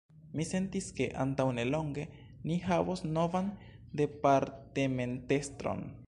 Mi sentis ke, antaŭnelonge, ni havos novan departementestron.